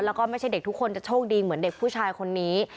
แล้วก็ไม่ใช่เด็กทุกคนจะโชคดีเหมือนเด็กผู้ชายคนนี้